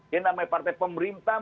yang namanya partai pemerintah